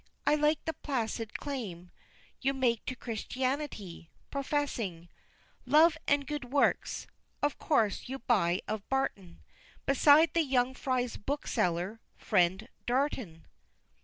I like the placid claim You make to Christianity, professing Love, and good works of course you buy of Barton, Beside the young Fry's bookseller, Friend Darton!